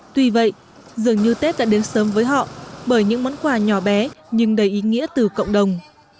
tuy vậy dường như tết đã đến sớm với họ bởi những món quà nhỏ bé nhưng đầy ý nghĩa từ cộng đồng